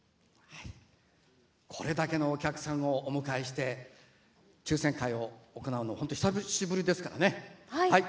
これだけのお客さんをお迎えして抽せん会を行うの本当、久しぶりですからね。